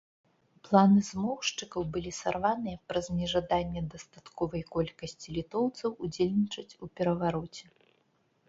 Планы змоўшчыкаў былі сарваныя праз нежаданне дастатковай колькасці літоўцаў удзельнічаць у перавароце.